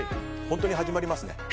本当に始まりますね。